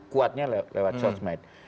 kuatnya lewat sosmed